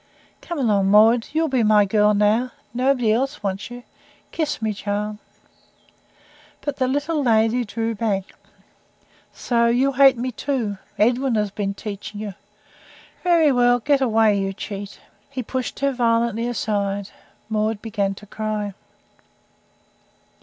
"Come along, Maud. You'll be my girl now. Nobody else wants you. Kiss me, child." But the little lady drew back. "So, you hate me too? Edwin has been teaching you? Very well. Get away, you cheat!" He pushed her violently aside. Maud began to cry.